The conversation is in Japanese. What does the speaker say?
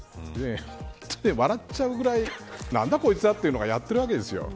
ほんとに笑っちゃうくらい何だ、こいつはというのがやっているわけですよ。